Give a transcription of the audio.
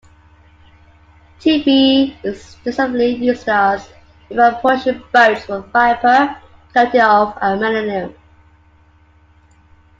TiB is extensively used as evaporation boats for vapour coating of aluminium.